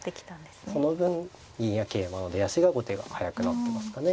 その分銀や桂馬の出足が後手が早くなってますかね。